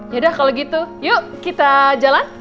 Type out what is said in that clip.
yaudah kalau gitu yuk kita jalan